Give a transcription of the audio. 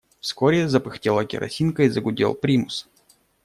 Вскоре запыхтела керосинка и загудел примус.